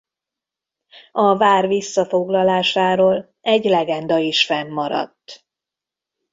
A vár visszafoglalásáról egy legenda is fennmaradt.